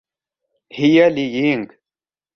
هي لي يينغ.